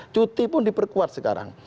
cuti pun diperkuat sekarang